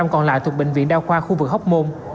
và thuộc bệnh viện đao khoa khu vực hóc môn